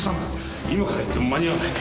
今から行っても間に合わない。